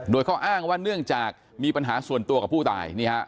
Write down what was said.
โดยเขาอ้างว่าเนื่องจากมีปัญหาส่วนตัวกับผู้ตาย